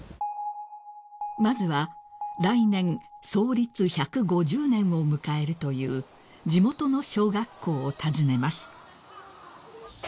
［まずは来年創立１５０年を迎えるという地元の小学校を訪ねます］